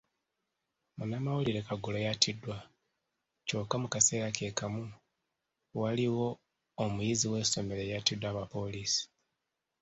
Munnamawulire Kagoro yattiddwa kyokka mu kaseera ke kamu, waliwo omuyizi w'essomero eyattiddwa aba poliisi